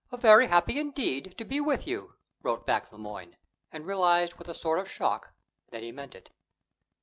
"Very happy, indeed, to be with you," wrote back Le Moyne and realized with a sort of shock that he meant it.